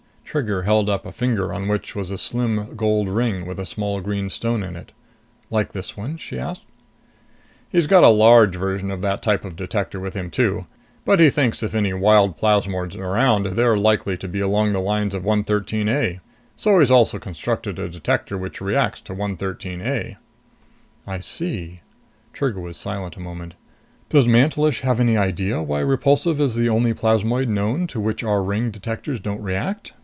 Trigger held up a finger on which was a slim gold ring with a small green stone in it. "Like this one?" she asked. "He's got a large version of that type of detector with him too. But he thinks that if any wild plasmoids are around, they're likely to be along the lines of 113 A. So he's also constructed a detector which reacts to 113 A." "I see." Trigger was silent a moment. "Does Mantelish have any idea why Repulsive is the only plasmoid known to which our ring detectors don't react?"